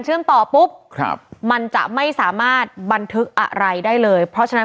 ต่อปุ๊บครับมันจะไม่สามารถบันทึกอะไรได้เลยเพราะฉะนั้น